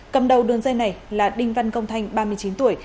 cầm đầu đường dây này là đinh văn công thanh ba mươi chín tuổi